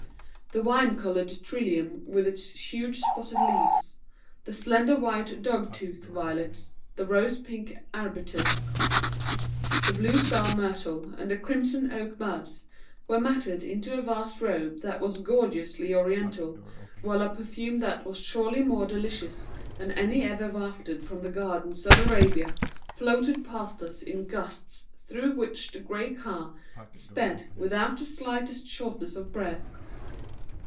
The wine colored trillium with its huge spotted leaves, the slender white dog tooth violets, the rose pink arbutus, the blue star myrtle and the crimson oak buds, were matted into a vast robe that was gorgeously oriental, while a perfume that was surely more delicious than any ever wafted from the gardens of Arabia floated past us in gusts through which the gray car sped without the slightest shortness of breath.